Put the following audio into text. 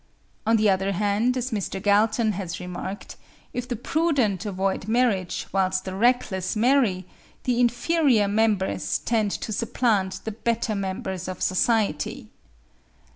On the other hand, as Mr. Galton has remarked, if the prudent avoid marriage, whilst the reckless marry, the inferior members tend to supplant the better members of society.